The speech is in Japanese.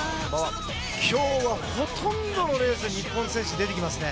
今日はほとんどのレースに日本の選手が出てきますね。